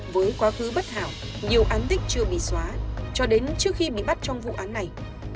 với quá khứ bất hảo nhiều án tích chưa bị xóa cho đến trước khi bị bắt trong vụ án này